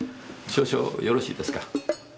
少々よろしいですか？